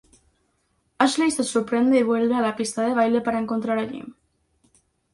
Ashley se sorprende y vuelve a la pista de baile para encontrar a Jim.